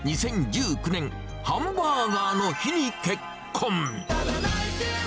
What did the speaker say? ２０１９年、ハンバーガーの日に結婚。